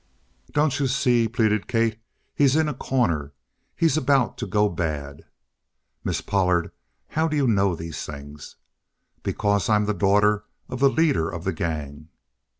"Don't you see?" pleaded Kate. "He's in a corner. He's about to go bad!" "Miss Pollard, how do you know these things?" "Because I'm the daughter of the leader of the gang!"